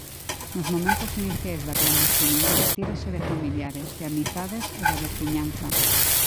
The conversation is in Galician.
Nos momentos iniciais da clandestinidade tírase de familiares, de amizades e da veciñanza.